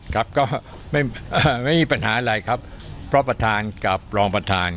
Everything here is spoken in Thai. ครับก็ไม่มีปัญหาอะไรครับเพราะประธานกับรองประธาน